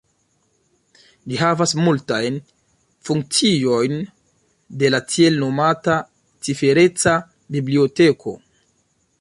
Ĝi havas multajn funkciojn de la tiel nomata cifereca biblioteko.